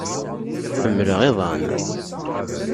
Ḥemmleɣ iḍan.